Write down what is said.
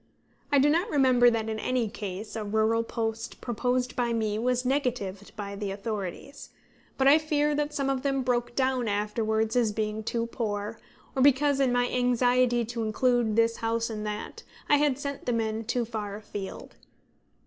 I do not remember that in any case a rural post proposed by me was negatived by the authorities; but I fear that some of them broke down afterwards as being too poor, or because, in my anxiety to include this house and that, I had sent the men too far afield.